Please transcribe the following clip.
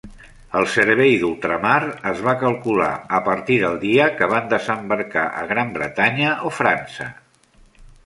El Servei d'Ultramar es va calcular a partir del dia que van desembarcar a Gran Bretanya o França.